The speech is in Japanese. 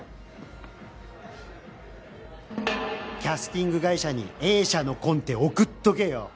「キャスティング会社にＡ社のコンテ送っとけよ」。